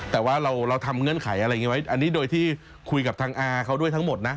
แต่ว่าเราทำเงื่อนไขอะไรอย่างนี้ไว้อันนี้โดยที่คุยกับทางอาเขาด้วยทั้งหมดนะ